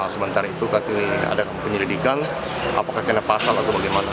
sementara itu kami ada penyelidikan apakah kena pasal atau bagaimana